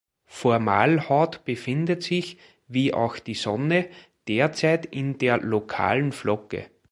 Fomalhaut befindet sich, wie auch die Sonne, derzeit in der Lokalen Flocke.